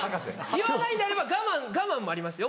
言わないんであれば我慢我慢もありますよ